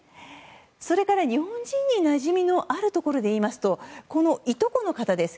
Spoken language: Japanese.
それから、日本人になじみのあるところでいいますとこのいとこの方です。